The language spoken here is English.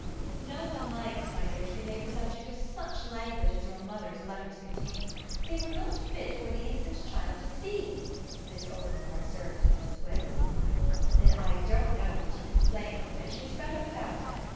"No one likes, my dear, to be made the subject of such language as your mother's letters contain. They were not fit for the innocent child to see," Miss Overmore observed to Mrs. Wix. "Then I don't know what you complain of, and she's better without them.